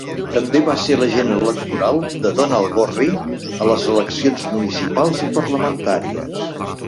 També va ser l'agent electoral de Donald Gorrie a les eleccions municipals i parlamentàries.